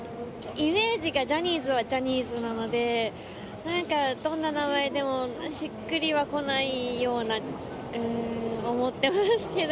イメージが、ジャニーズはジャニーズなので、なんか、どんな名前でもしっくりはこないような、思ってますけど。